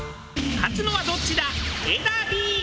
勝つのはどっちだ？